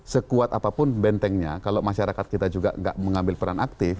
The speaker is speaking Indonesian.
sekuat apapun bentengnya kalau masyarakat kita juga tidak mengambil peran aktif